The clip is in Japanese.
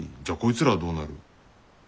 じゃあこいつらはどうなる？